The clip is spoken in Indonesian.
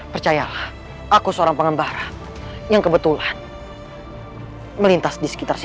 percayalah aku seorang pengembara yang kebetulan melintas di sekitar sini